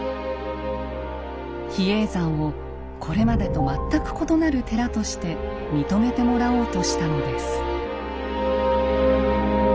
比叡山をこれまでと全く異なる寺として認めてもらおうとしたのです。